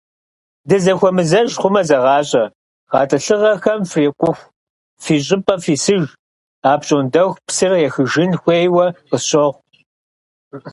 Дызэхуэмызэж хъумэ, зэгъащӀэ: гъэтӀылъыгъэхэм фрикъуху фи щӏыпӏэ фисыж, апщӀондэху псыр ехыжын хуейуэ къысщохъу.